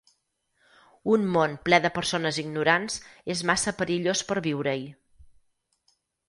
Un món ple de persones ignorants és massa perillós per viure-hi.